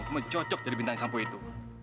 kamu cocok jadi bintang sampo itu